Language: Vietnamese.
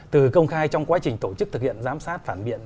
từ công khai trong quá trình tổ chức thực hiện giám sát phản biện